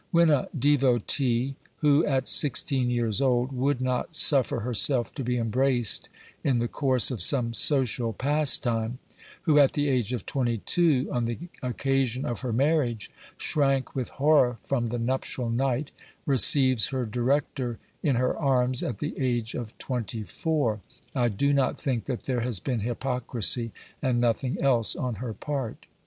When a devotee, who, at sixteen years old, would not suffer herself to be embraced in the course of some social pastime ; who at the age of twenty two, on the occasion of her marriage, shrank with horror from the nuptial night, receives her director in her arms at the age of twenty four, I do not think that there has been hypocrisy and nothing else on her part.